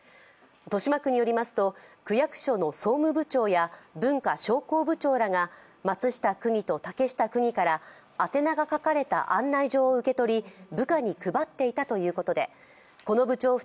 豊島区によりますと区役所の総務部長や文化商工部長らが松下区議と竹下区議から宛て名が書かれた案内状を受け取り、部下に配っていたということでこの部長